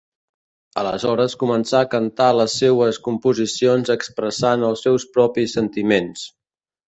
Aleshores començà a cantar les seues composicions expressant els seus propis sentiments.